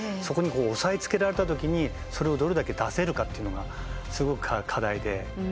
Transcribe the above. そこに押さえつけられたときにそれをどれだけ出せるかというのが、すごく課題で。